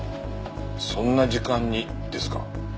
そんな時間にですか？